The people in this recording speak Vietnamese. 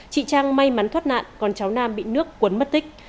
chị trang may mắn thoát nạn còn cháu nam bị nước cuốn mất tích